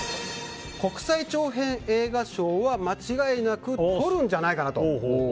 国際長編映画賞は間違いなくとるんじゃないかなと。